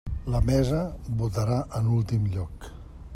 La mesa votarà en últim lloc.